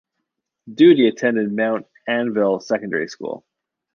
Doody attended Mount Anville Secondary School.